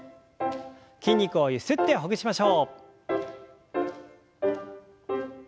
筋肉をゆすってほぐしましょう。